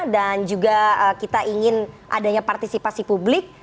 dan juga kita ingin adanya partisipasi publik